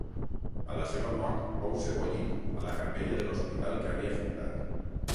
A la seva mort fou sebollit a la capella de l'hospital que havia fundat.